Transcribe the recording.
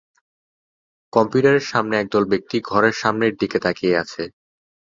কম্পিউটারের সামনে একদল ব্যক্তি ঘরের সামনের দিকে তাকিয়ে আছে।